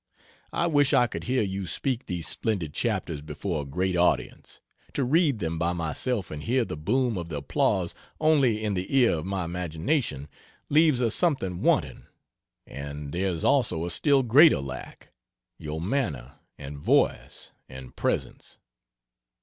I wish I could hear you speak these splendid chapters before a great audience to read them by myself and hear the boom of the applause only in the ear of my imagination, leaves a something wanting and there is also a still greater lack, your manner, and voice, and presence.